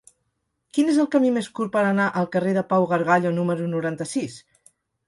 Quin és el camí més curt per anar al carrer de Pau Gargallo número noranta-sis?